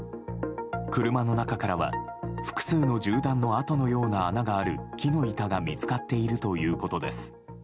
車の中からは複数の銃弾の跡のような穴がある木の板が見つかっているということです。